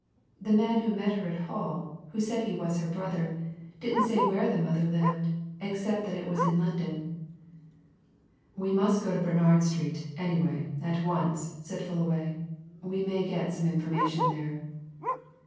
The man who met her at Hull, who said he was her brother, didn't say where the mother lived, except that it was in London." "We must go to Bernard Street, anyway, at once," said Fullaway. "We may get some information there."